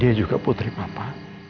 dia juga putri papa